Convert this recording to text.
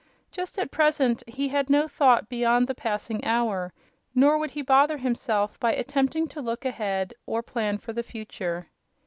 Just at present he had no thought beyond the passing hour, nor would he bother himself by attempting to look ahead or plan for the future.